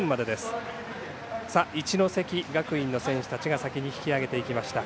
一関学院の選手たちが先に引き上げていきました。